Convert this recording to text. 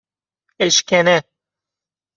اشکنه